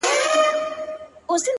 • له سر تر نوکه بس ګلدسته یې ,